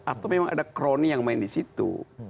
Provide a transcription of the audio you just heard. atau memang ada kroni yang main di situ